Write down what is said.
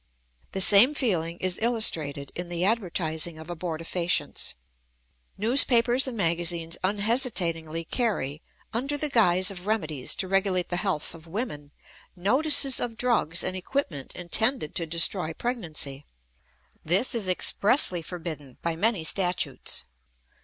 The same feeling is illustrated in the advertising of abortifacients. Newspapers and magazines unhesitatingly carry, under the guise of remedies to regulate the health of women, notices of drugs and equipment intended to destroy pregnancy. This is expressly forbidden by many statutes.